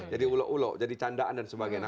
jadi ulo ulo jadi candaan dan sebagainya